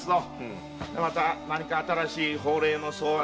また何か新しい法令の草案でも？